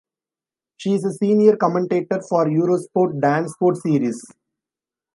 She is a Senior Commentator for EuroSport DanceSport Series.